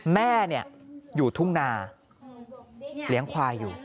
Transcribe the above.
แม่อยู่ทุ่งนาเลี้ยงควายอยู่